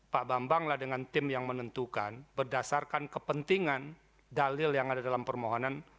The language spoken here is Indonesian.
pak bambang lah dengan tim yang menentukan berdasarkan kepentingan dalil yang ada dalam permohonan